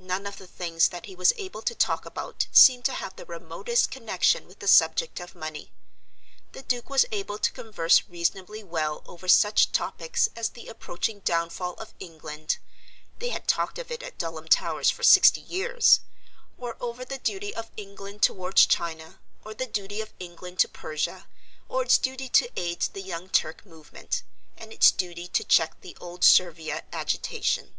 None of the things that he was able to talk about seemed to have the remotest connection with the subject of money. The Duke was able to converse reasonably well over such topics as the approaching downfall of England (they had talked of it at Dulham Towers for sixty years), or over the duty of England towards China, or the duty of England to Persia, or its duty to aid the Young Turk Movement, and its duty to check the Old Servia agitation.